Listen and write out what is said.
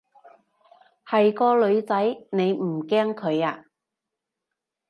係個女仔，你唔驚佢啊？